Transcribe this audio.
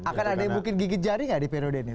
akan ada yang mungkin gigit jari nggak di periode ini